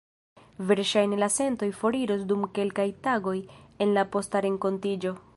Verŝajne la sentoj foriros dum kelkaj tagoj en la posta renkontiĝo.